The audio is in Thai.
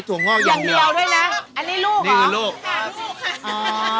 ทั้งหมดไม่ได้ขายเส้นค่ะ